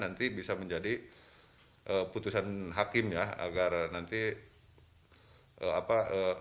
nanti bisa menjadi putusan hakim ya agar nanti apa